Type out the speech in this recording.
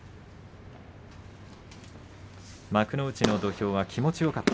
幕内の土俵は気持ちよかった。